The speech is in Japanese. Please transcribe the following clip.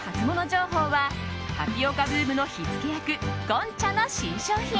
情報はタピオカブームの火付け役ゴンチャの新商品。